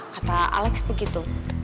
kata alex begitu